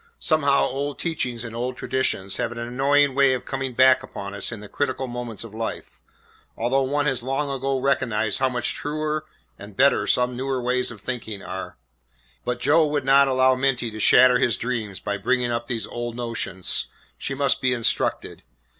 Somehow old teachings and old traditions have an annoying way of coming back upon us in the critical moments of life, although one has long ago recognised how much truer and better some newer ways of thinking are. But Joe would not allow Minty to shatter his dreams by bringing up these old notions. She must be instructed.